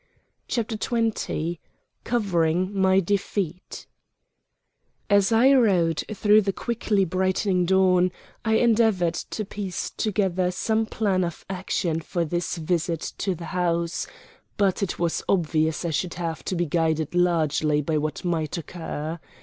CHAPTER XX COVERING MY DEFEAT As I rode through the quickly brightening dawn I endeavored to piece together some plan of action for this visit to the house; but it was obvious I should have to be guided largely by what might occur.